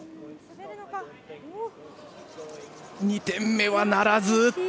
２点目はならず。